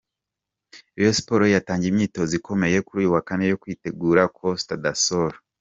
Rayon Sports yatangiye imyitozo ikomeye kuri uyu wa Kane yo kwitegura Costa Do Sol.